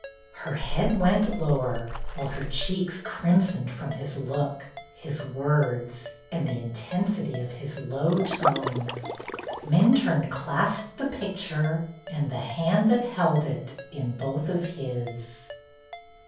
Her head went lower, while her cheeks crimsoned from his look, his words, and the intensity of his low tone. Minturne clasped the picture and the hand that held it in both of his.